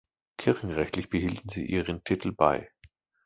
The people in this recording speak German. Kirchenrechtlich behielten sie ihren Titel bei.